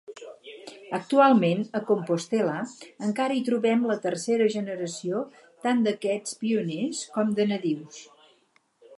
Actualment a Compostela encara hi trobem la tercera generació tant d'aquests pioners com de nadius.